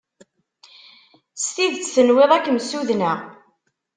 S tidet tenwiḍ ad kem-ssudneɣ?